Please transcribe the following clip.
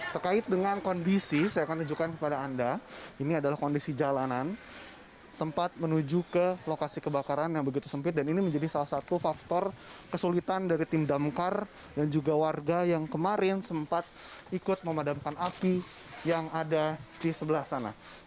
terkait dengan kondisi saya akan tunjukkan kepada anda ini adalah kondisi jalanan tempat menuju ke lokasi kebakaran yang begitu sempit dan ini menjadi salah satu faktor kesulitan dari tim damkar dan juga warga yang kemarin sempat ikut memadamkan api yang ada di sebelah sana